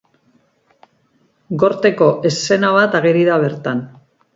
Gorteko eszena bat ageri da bertan.